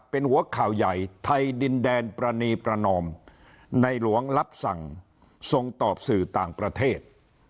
เป็นหัวข่าวใหญ่ไทยดินแดนประณีประนอมในหลวงรับสั่งส่งตอบสื่อต่างประเทศ